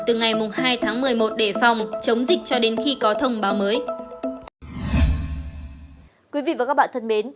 từ ngày hai tháng một mươi một để phòng chống dịch cho đến khi có thông báo mới